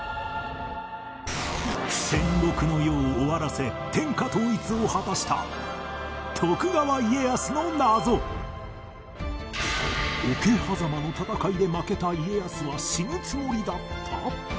戦国の世を終わらせ天下統一を果たした桶狭間の戦いで負けた家康は死ぬつもりだった！？